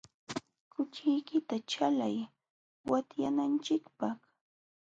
Kuchiykita chalay watyananchikpaq.